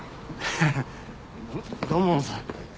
ハハハ土門さん。